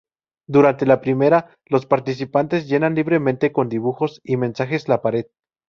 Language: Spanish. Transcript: Durante la primera, los participantes llenan libremente con dibujos y mensajes la pared.